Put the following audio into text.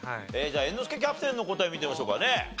じゃあ猿之助キャプテンの答え見てみましょうかね。